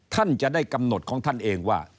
ท่านจะได้กำหนดของท่านเองว่า